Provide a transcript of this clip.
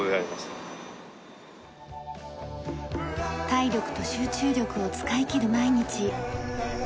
体力と集中力を使いきる毎日。